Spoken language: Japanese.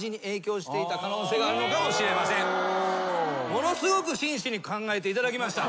ものすごく真摯に考えていただきました。